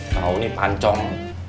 kau ini pancong